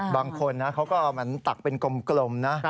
บางคนเขาก็เอามันตักเป็นกลมนะ